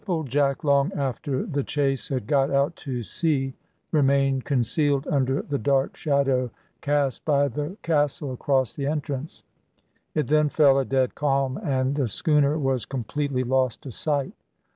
The Supplejack, long after the chase had got out to sea, remained concealed under the dark shadow cast by the castle across the entrance. It then fell a dead calm, and the schooner was completely lost to sight.